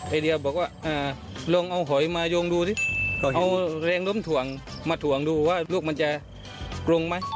ไอเดียบอกว่าลองเอาหอยมาโยงดูสิเอาแรงล้มถ่วงมาถ่วงดูว่าลูกมันจะกรุงไหม